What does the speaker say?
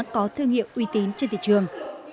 có thương hiệu uy tín trên thị trường